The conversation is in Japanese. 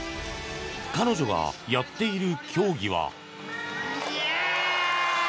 彼女がやっている競技は。